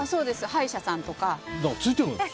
歯医者さんとか。